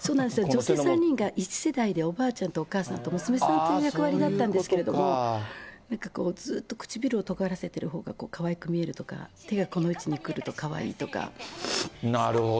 女性３人が１世代で、おばあちゃんとお母さんと娘さんという役割だったんですけれども、なんかこう、ずっと唇をとがらせてるほうがかわいく見えるとか、手がこの位置なるほどね。